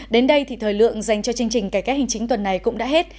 đến đây thì thời lượng dành cho chương trình cải kết hình chính tuần này cũng đã hết